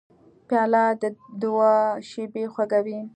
پیاله د دعاو شېبې خوږوي.